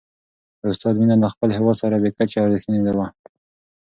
د استاد مینه له خپل هېواد سره بې کچې او رښتینې وه.